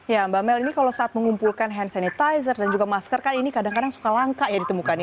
ya mbak mel ini kalau saat mengumpulkan hand sanitizer dan juga masker kan ini kadang kadang suka langka ya ditemukan ya